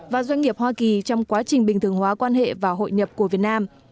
và doanh nghiệp hoa kỳ trong quá trình bình thường hóa quan hệ và hội nhập của việt nam